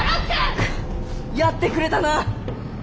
くやってくれたな。